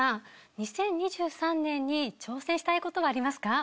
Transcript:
２０２３年に挑戦したいことはありますか？